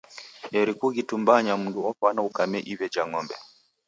Eri kughitumbanya mndu ofwana ukame iw'e ja ng'ombe.